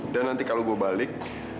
dan nanti kalau gue balik